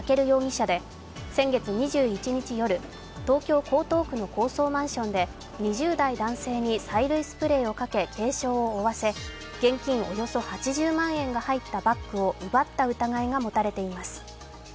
容疑者で先月２１日夜東京・江東区の高層マンションで２０代男性に催涙スプレーをかけ軽傷を負わせ、現金およそ８０万円が入ったバッグを奪った疑いが持たれています。